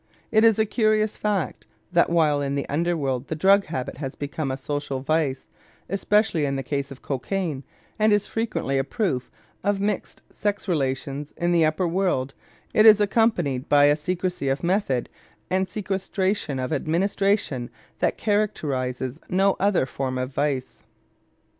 It is a curious fact that while in the under world the drug habit has become a social vice, especially in the case of cocaine, and is frequently a proof of mixed sex relations, in the upper world it is accompanied by a secrecy of method and sequestration of administration that characterizes no other form of vice.